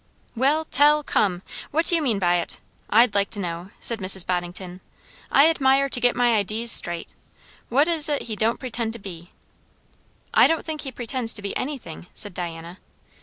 "Well, tell; come! what do you mean by it? I'd like to know," said Mrs. Boddington. "I admire to get my idees straight. What is it he don't pretend to be?" "I don't think he pretends to be anything," said Diana.